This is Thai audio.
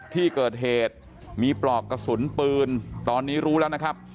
ที่เกิดเหตุมีปลอกกระสุนปืนตอนนี้รู้แล้วนะครับ